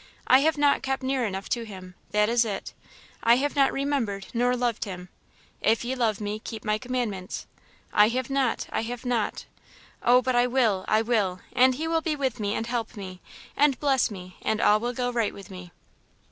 I have not kept near enough to him! that is it; I have not remembered nor loved him. 'If ye love me, keep my commandments' I have not! I have not! Oh, but I will! I will; and he will be with me, and help me, and bless me, and all will go right with me."